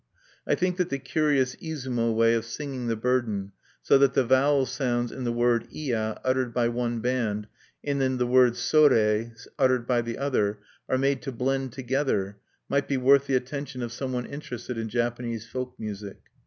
I think that the curious Izumo way of singing the burden so that the vowel sounds in the word iya uttered by one band, and in the word sorei uttered by the other, are made to blend together might be worth the attention of some one interested in Japanese folk music.